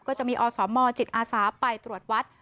ก็จะมีอสมจิตอาสาไปตรวจวัด